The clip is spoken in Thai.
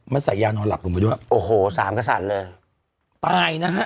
มันใส่ยานอนหลับลงไปด้วยโอ้โหสามกระสันเลยตายนะฮะ